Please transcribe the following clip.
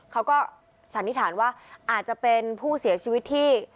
สันนิษฐานว่าอาจจะเป็นผู้เสียชีวิตที่